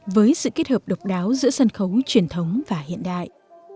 với sự kết hợp độc đáo giữa sân khấu truyền thống và hiện đại